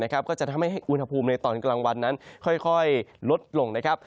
ก็จะทำให้อุณหภูมิในตอนกลางวันนั้นค่อยลดลงนะครับ